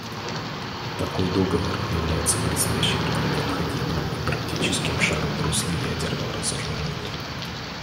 Такой договор является предстоящим нам необходимым и практическим шагом в русле ядерного разоружения.